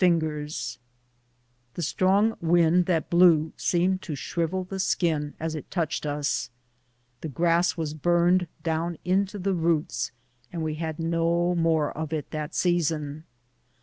189 fingers. The strong wind that blew seemed to shrivel the skin as it touched us. The grass was burned down into the roots, and we had no more of it that season.